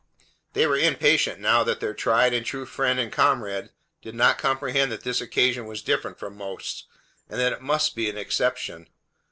They were impatient now that their tried and true friend and comrade did not comprehend that this occasion was different from most, and that it must be an exception.